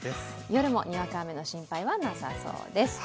夜もにわか雨の心配はなさそうです。